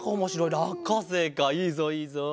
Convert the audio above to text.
らっかせいかいいぞいいぞ。